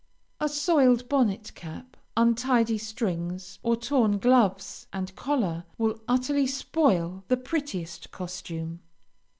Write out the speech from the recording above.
A soiled bonnet cap, untidy strings, or torn gloves and collar will utterly spoil the prettiest costume.